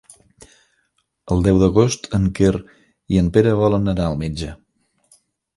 El deu d'agost en Quer i en Pere volen anar al metge.